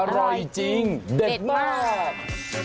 อร่อยจริงเด็ดมาก